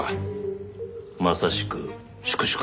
まさしく粛々と。